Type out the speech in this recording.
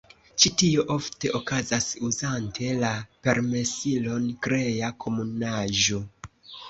Ĉi tio ofte okazas uzante la permesilon Krea Komunaĵo.